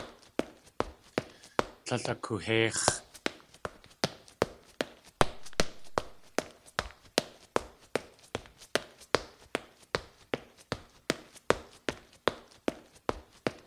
Tlél akoohéix̲.